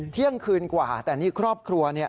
เที่ยงคืนกว่าแต่นี่ครอบครัวเนี่ย